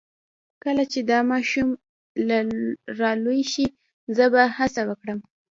کله چې دا ماشوم را لوی شي زه به هڅه وکړم